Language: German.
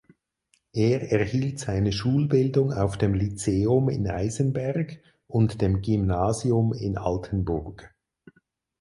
Er erhielt seine Schulbildung auf dem Lyzeum in Eisenberg und dem Gymnasium in Altenburg.